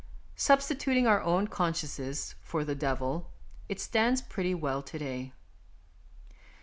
Substituting our own consciences for the ON DREAMS 115 devil, it stands pretty well to day.